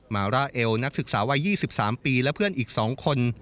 มาร่าเอวนักศึกษาวัย๒๓ปีและเพื่อนอีก๒คน